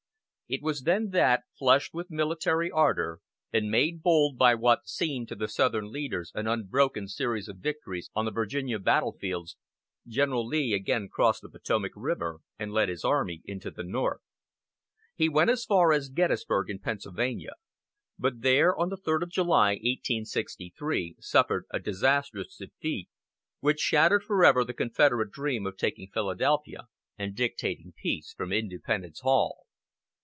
It was then that, flushed with military ardor, and made bold by what seemed to the southern leaders an unbroken series of victories on the Virginia battlefields, General Lee again crossed the Potomac River, and led his army into the North. He went as far as Gettysburg in Pennsylvania; but there, on the third of July, 1863, suffered a disastrous defeat, which shattered forever the Confederate dream of taking Philadelphia and dictating peace from Independence Hall.